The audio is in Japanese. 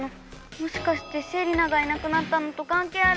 もしかしてセリナがいなくなったのと関係あるのかな？